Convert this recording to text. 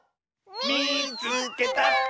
「みいつけた！」。